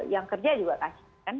yang kerja juga kasih kan